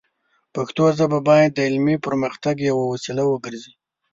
پښتو ژبه باید د علمي پرمختګ یوه وسیله وګرځي.